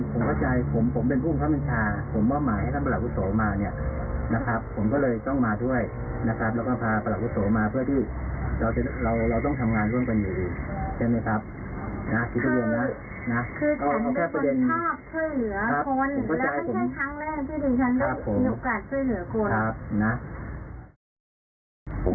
คือฉันเป็นคนชอบช่วยเหลือคนและไม่ใช่ครั้งแรกที่ฉันได้ยกกันช่วยเหลือคน